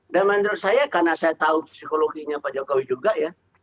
dan menurut saya karena saya tahu psikologinya pak jokowi juga ya